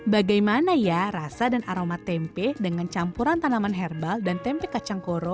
bagaimana ya rasa dan aroma tempe dengan campuran tanaman herbal dan tempe kacang koro